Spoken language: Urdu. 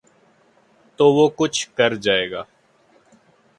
تو وہ کوچ کر جائے گا۔